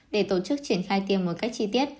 để tổ chức triển khai tiêm một cách chi tiết